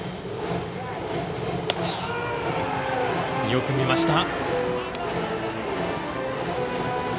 よく見ました。